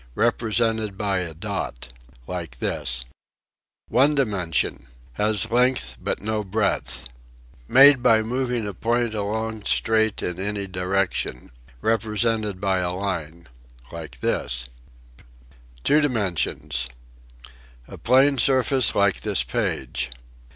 Represented by a dot. Like this One dimension: Has length but no breadth. Made by moving a point along straight in any direction. Represented by a line. Like this Two dimensions: A plane surface like this page.